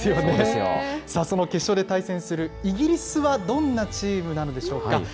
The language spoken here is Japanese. その決勝で対戦するイギリスはどんなチームなのでしょうか。